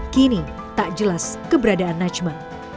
kini tak jelas keberadaan najma